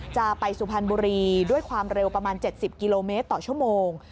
จะไปสุพรรณบุรีด้วยความเร็วประมาณ๗๐กิโลเมตรต่อชั่วโมง